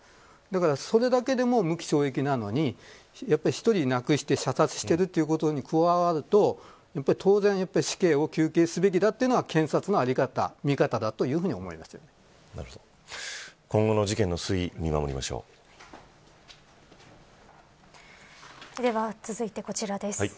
それだけでも無期懲役なのに１人亡くして、射殺しているということを加えるとやっぱり当然、死刑を求刑すべきだというのが検察の在り方今後の事件の推移では、続いてこちらです。